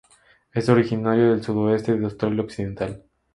Es originaria del sudoeste de Australia Occidental.